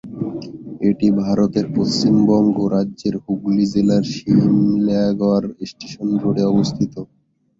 এটি ভারতের পশ্চিমবঙ্গ রাজ্যের হুগলী জেলার সিমলাগড় স্টেশন রোডে অবস্থিত।